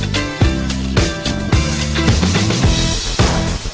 โปรดติดตามตอนต่อไป